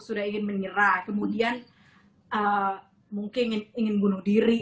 sudah ingin menyerah kemudian mungkin ingin bunuh diri